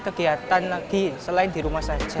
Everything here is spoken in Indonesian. kegiatan lagi selain di rumah saja